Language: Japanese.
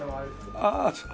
あっそう。